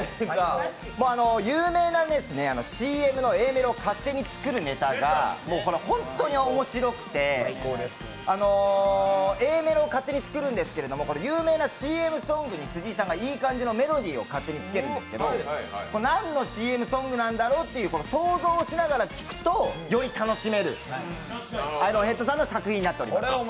有名なＣＭのＡメロを勝手に作るネタが本当に面白くて、Ａメロ勝手に作るんですけど有名なＣＭソングに辻井さんがいい感じのメロディーを勝手につけるんですけど、何のＣＭソングなんだろうってのを想像しながら聞くとより楽しめるアイロンヘッドさんの作品になっております。